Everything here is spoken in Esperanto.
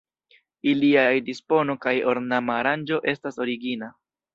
Iliaj dispono kaj ornama aranĝo estas origina.